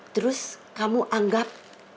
terus kamu anggap